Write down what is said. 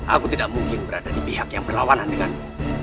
aku tidak mungkin berada di pihak yang berlawanan denganmu